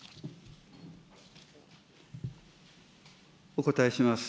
お答えします。